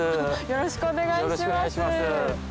よろしくお願いします。